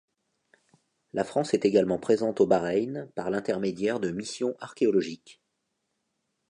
La France est également présente au Bahreïn par l'intermédiaire de missions archéologiques.